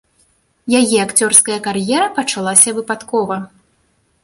Яе акцёрская кар'ера пачалася выпадкова.